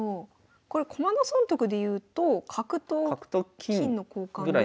これ駒の損得でいうと角と金の交換ぐらい。